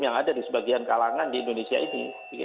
yang ada di sebagian kalangan di indonesia ini